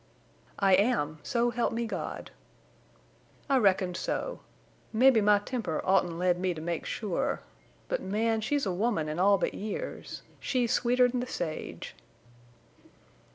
"I am—so help me God!" "I reckoned so. Mebbe my temper oughtn't led me to make sure. But, man, she's a woman in all but years. She's sweeter'n the sage."